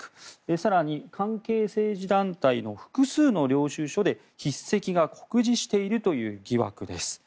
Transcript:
更に関係政治団体の複数の領収書で筆跡が酷似しているという疑惑です。